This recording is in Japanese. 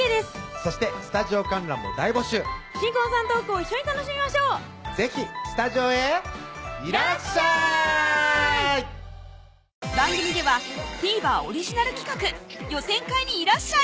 そしてスタジオ観覧も大募集新婚さんのトークを一緒に楽しみましょう是非スタジオへいらっしゃい番組ではＴＶｅｒオリジナル企画「予選会にいらっしゃい！」